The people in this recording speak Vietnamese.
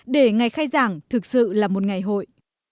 để ngày khai giảng thực sự là một ngày hội